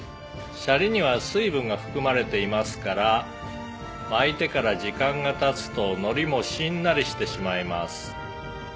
「シャリには水分が含まれていますから巻いてから時間が経つと海苔もしんなりしてしまいます」